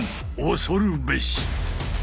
恐るべし！